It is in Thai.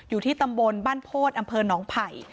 อยู่ที่ตำบลบ้านโพธิอำเภอหนองไผ่